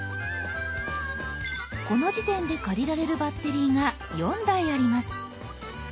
この時点で借りられるバッテリーが４台あります。